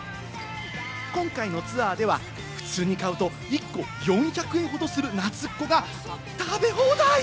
今回のツアーでは普通に買うと１個４００円ほどする、なつっこが、食べ放題！